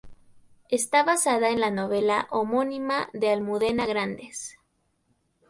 Está basada en la novela homónima de Almudena Grandes.